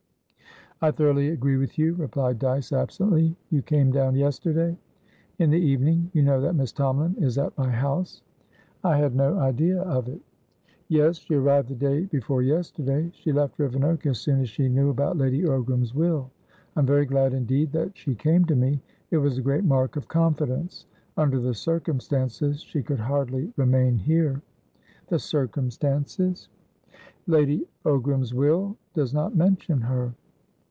"I thoroughly agree with you," replied Dyce, absently. "You came down yesterday?" "In the evening. You know that Miss Tomalin is at my house?" "I had no idea of it." "Yes. She arrived the day before yesterday. She left Rivenoak as soon as she knew about Lady Ogram's will. I'm very glad indeed that she came to me; it was a great mark of confidence. Under the circumstances, she could hardly remain here." "The circumstances?" "Lady Ogram's will does not mention her."